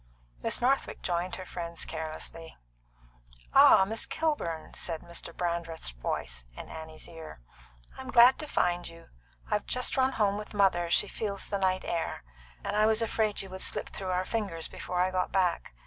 Miss Northwick joined her friends carelessly. "Ah, Miss Kilburn," said Mr. Brandreth's voice at Annie's ear, "I'm glad to find you. I've just run home with mother she feels the night air and I was afraid you would slip through our fingers before I got back.